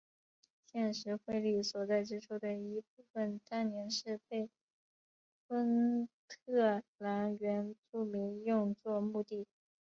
现时惠利所在之处的一部分当年是被昆特兰原住民用作墓地。